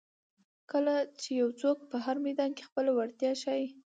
کله چې یو څوک په هر میدان کې خپله وړتیا ښایي.